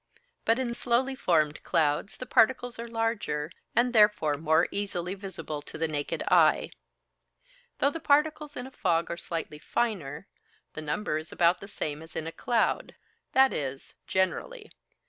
But in slowly formed clouds the particles are larger, and therefore more easily visible to the naked eye. Though the particles in a fog are slightly finer, the number is about the same as in a cloud that is, generally.